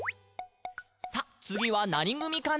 「さあ、つぎはなにぐみかな？」